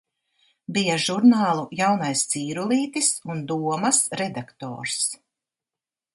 "Bija žurnālu "Jaunais Cīrulītis" un "Domas" redaktors."